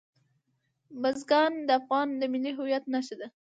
بزګان د افغانستان د ملي هویت نښه ده.